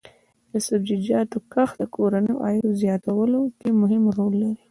د سبزیجاتو کښت د کورنیو عاید زیاتولو کې مهم رول لري.